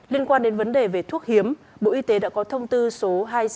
liên quan đến vấn đề về thuốc hiếm bộ y tế đã có thông tư số hai trăm sáu mươi hai nghìn một mươi chín